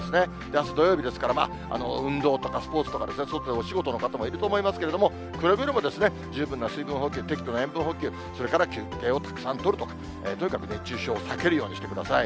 あす土曜日ですから、運動ですとか、スポーツとか、外でお仕事の方もいると思いますけれども、くれぐれも適度な水分補給、それから休憩をたくさんとると、とにかく熱中症を避けるようにしてください。